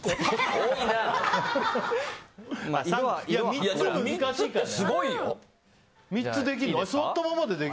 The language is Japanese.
３つも難しいからね。